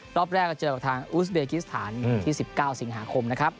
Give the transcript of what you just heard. รอบแรกก็เจอกับทางอูสเบกิสถานที่๑๙สิงหาคมนะครับ